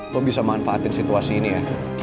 lo bisa manfaatin situasi ini ya